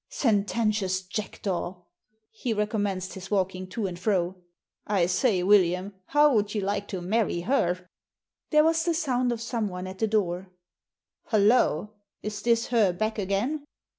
"Sententious jackdaw!" He recommenced his walking to and fro. " I say, William, how would you like to marry her?" There was the sound of Digitized by VjOOQIC THE ASSASSIN 179 someone at the door. Hullo, is this her back again?"